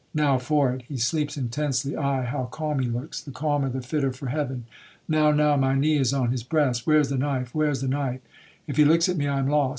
—now for it. He sleeps intensely,—aye, how calm he looks!—the calmer the fitter for heaven. Now,—now, my knee is on his breast,—where is the knife?—where is the knife?—if he looks at me I am lost.